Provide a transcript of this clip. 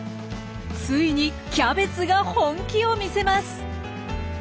ついにキャベツが本気を見せます。